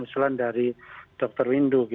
usulan dari dokter windu